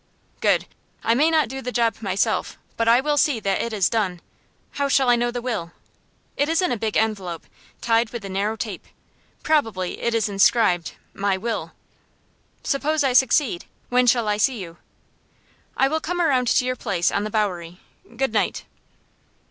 "Good! I may not do the job myself, but I will see that it is done. How shall I know the will?" "It is in a big envelope, tied with a narrow tape. Probably it is inscribed: 'My will.'" "Suppose I succeed, when shall I see you?" "I will come around to your place on the Bowery. Good night!"